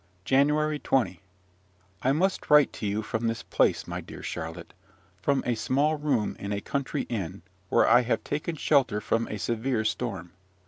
JANUARY 20. I must write to you from this place, my dear Charlotte, from a small room in a country inn, where I have taken shelter from a severe storm.